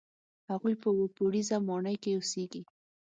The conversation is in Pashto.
هغوی په اووه پوړیزه ماڼۍ کې اوسېږي.